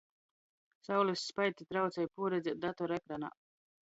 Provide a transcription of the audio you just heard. Saulis spaiti traucej puorredzēt datora ekranā.